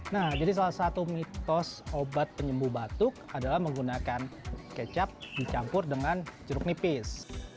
nah jadi salah satu mitos obat penyembuh batuk adalah menggunakan kecap dicampur dengan jeruk nipis